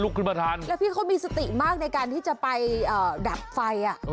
แล้วพี่เขามีสติมากในการที่จะไปดับไฟ